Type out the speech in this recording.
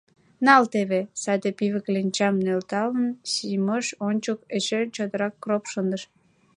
Нал теве! — саде пиве кленчам нӧлталын, Симош ончык эше чотрак кроп шындыш.